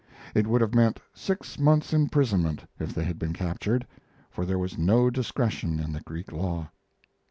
It would have meant six months' imprisonment if they had been captured, for there was no discretion in the Greek law.